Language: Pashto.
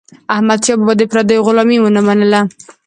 احمدشاه بابا د پردیو غلامي ونه منله.